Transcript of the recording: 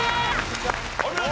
お見事！